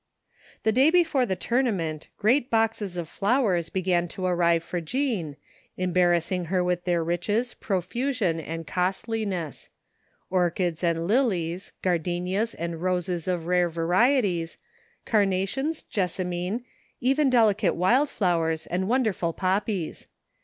The day before the tournament great boxes of 207 THE FINDING OF JASPER HOLT flowers began to arrive for Jean, embarrassing her with their riches, profusion and costliness. Orchids and lilies, gardenias and roses of rare varieties, cama tions, jessamine, even delicate wild flowers and won derful poppies.